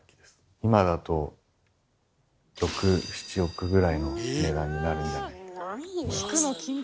今だと６億７億ぐらいの値段になるんじゃないかなと思います。